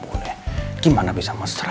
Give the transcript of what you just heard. cuma pengen bersandaripahu aja juga senang least